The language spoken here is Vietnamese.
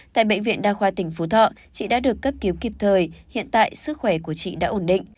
tại bệnh viện đa khoa tỉnh phú thọ chị đã được cấp cứu kịp thời hiện tại sức khỏe của chị đã ổn định